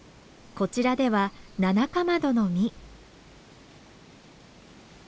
こちらではナナカマドの実。